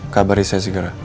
kabarin saya segera